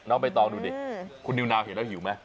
ใบตองดูดิคุณนิวนาวเห็นแล้วหิวไหม